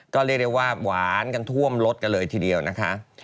ก็เรียกได้ว่าหวานกันท่วมรสกันเลยทีเดียวนะคะ